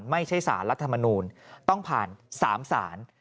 ไม่ใช่สารรัฐมนูลต้องผ่าน๓ศาล